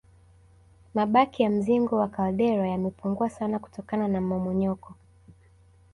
Mabaki ya mzingo wa kaldera yamepungua sana kutokana na mmomonyoko